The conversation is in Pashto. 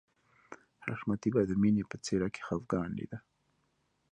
حشمتي به د مینې په څېره کې خفګان لیده